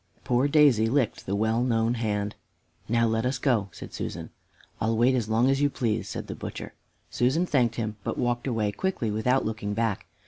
Poor Daisy licked the well known hand. "Now, let us go," said Susan. "I'll wait as long as you please," said the butcher. Susan thanked him, but walked away quickly, without looking back.